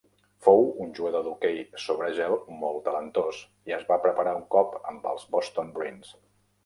Fou un jugador d'hoquei sobre gel molt talentós, i es va preparar un cop amb els Boston Bruins.